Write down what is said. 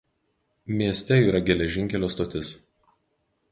Mieste yra geležinkelio stotis.